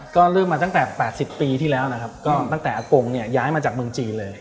ก็เริ่มมาตั้งแต่๘๐ปีที่แล้วนะครับก็ตั้งแต่อากงเนี่ยย้ายมาจากเมืองจีนเลย